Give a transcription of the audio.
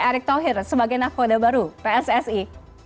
erick thohir sebagai nakoda baru pssi